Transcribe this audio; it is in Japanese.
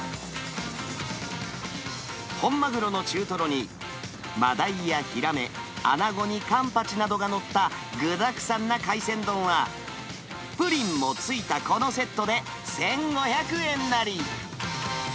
本マグロの中トロに、マダイやヒラメ、アナゴにカンパチなどが載った具だくさんな海鮮丼は、プリンも付いたこのセットで１５００円なり。